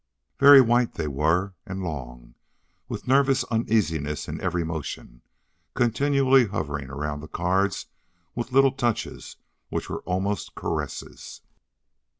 Very white they were, and long, with a nervous uneasiness in every motion, continually hovering around the cards with little touches which were almost caresses.